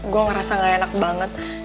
gue ngerasa gak enak banget